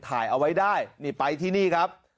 ถ่ายเอาไว้ได้นี่ไปที่นี่ครับ